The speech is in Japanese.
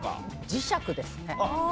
磁石ですね。